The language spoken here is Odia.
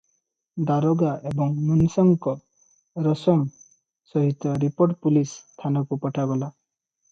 ଦାରୋଗା ଏବଂ ମୁନ୍ସଙ୍କ ରୋସମ୍ ସହିତ ରିପୋର୍ଟ ପୁଲସ୍ ଥାନାକୁ ପଠାଗଲା ।